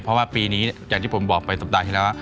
เพราะว่าปีนี้อย่างที่ผมบอกไปสัปดาห์ที่แล้ว